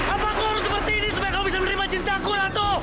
apa kurus seperti ini supaya kamu bisa menerima cintaku ratu